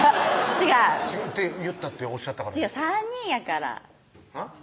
違う「言った」っておっしゃったから３人やからはぁ？